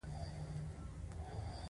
سترګې پټې کړې